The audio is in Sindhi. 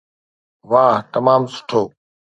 واهه تمام سٺو